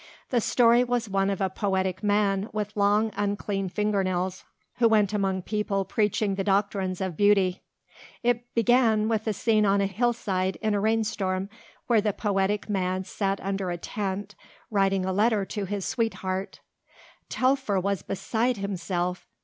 The story was one of a poetic man with long, unclean fingernails who went among people preaching the doctrine of beauty. It began with a scene on a hillside in a rainstorm where the poetic man sat under a tent writing a letter to his sweetheart. Telfer was beside himself.